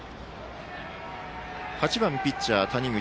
８番、ピッチャー、谷口。